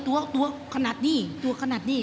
ตัวตัวขนาดนี้ตัวขนาดนี้